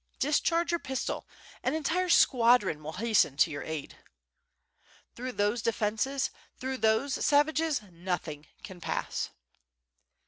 discharge your pistol, an entire squadron will hasten to yeur aid! Through those defenses, through those savages, nothing can pass."